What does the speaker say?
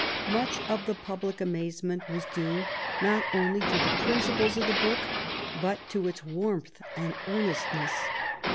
Much of the public amazement was due not only to the principles of the book, but to its warmth and earnestness.